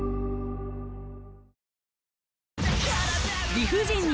理不尽に